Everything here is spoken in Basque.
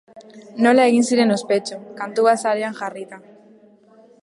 Nola egin ziren ospetsu, kantu bat sarean jarrita.